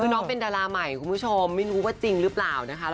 คือน้องเป็นดาราใหม่คุณผู้ชมไม่รู้ว่าจริงหรือเปล่านะคะ